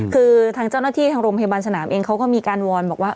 คือทางเจ้าหน้าที่ทางโรงพยาบาลสนามเองเขาก็มีการวอนบอกว่า